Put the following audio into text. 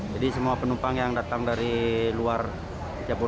jadi semua penumpang yang datang dari luar jawa barat